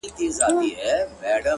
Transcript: چي ته نه يې زما په ژونــــد كــــــي!